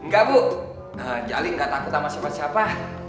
enggak bu jali enggak takut sama siapa siapa